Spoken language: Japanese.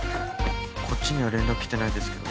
こっちには連絡来てないですけど。